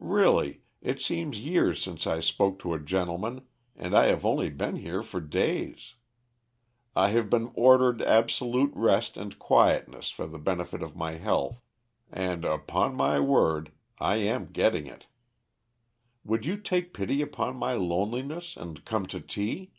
"Really, it seems years since I spoke to a gentleman and I have only been here for days. I have been ordered absolute rest and quietness for the benefit of my health and, upon my word, I am getting it. Would you take pity upon my loneliness and come to tea?"